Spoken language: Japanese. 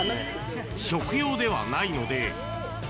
食用ではないので。